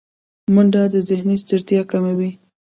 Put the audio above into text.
منډه د ذهني ستړیا کموي